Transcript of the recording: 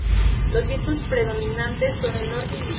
Los vientos predominantes son del norte y sur.